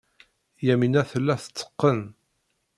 Yamina tella tetteqqen.